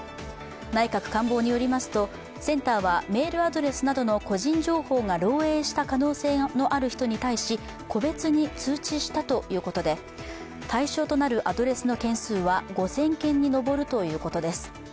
内閣官房によりますとセンターはメールアドレスなどの個人情報が漏えいした可能性のある人に対し個別に通知したということで対象となるアドレスの件数は５０００件に上るということです。